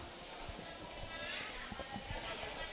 อันนี้ก็จะเป็นอันนที่สุดท้าย